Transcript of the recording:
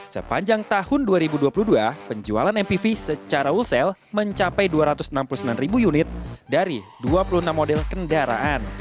sepanjang tahun dua ribu dua puluh dua penjualan mpv secara wholesale mencapai dua ratus enam puluh sembilan ribu unit dari dua puluh enam model kendaraan